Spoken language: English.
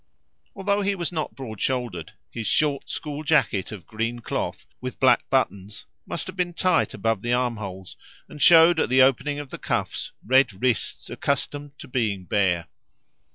Although he was not broad shouldered, his short school jacket of green cloth with black buttons must have been tight about the arm holes, and showed at the opening of the cuffs red wrists accustomed to being bare.